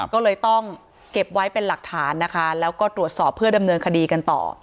ก็เลยต้องเก็บไว้เป็นหลักฐานนะคะแล้วก็ตรวจสอบเพื่อดำเนินคดีกันต่อ